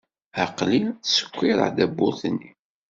Aql-i ttsekkiṛeɣ-d tawwurt-nni.